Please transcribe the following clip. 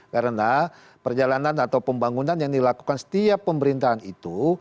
karena perjalanan atau pembangunan yang dilakukan setiap pemerintahan itu